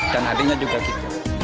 dan arya juga begitu